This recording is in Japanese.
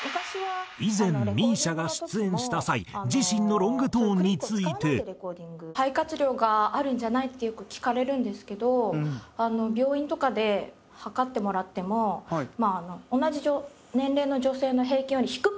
以前ＭＩＳＩＡが出演した際自身の肺活量があるんじゃない？ってよく聞かれるんですけど病院とかで測ってもらっても同じ年齢の女性の平均より低くて肺活量がなくて。